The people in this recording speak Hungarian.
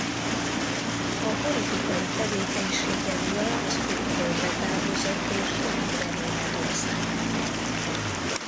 A politikai tevékenysége miatt külföldre távozott és többnyire Németországban élt.